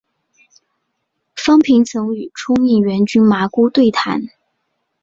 方平曾与冲应元君麻姑对谈。